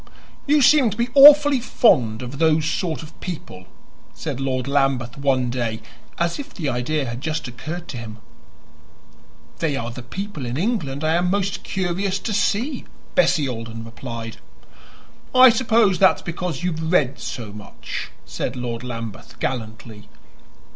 "You seem to be awfully fond of those sort of people," said Lord Lambeth one day, as if the idea had just occurred to him. "They are the people in England I am most curious to see," Bessie Alden replied. "I suppose that's because you have read so much," said Lord Lambeth gallantly.